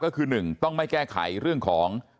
ก็คือ๑ต้องไม่แก้ไขเรื่องของ